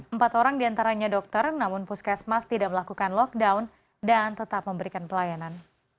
empat orang diantaranya dokter namun puskesmas tidak melakukan lockdown dan tetap memberikan pelayanan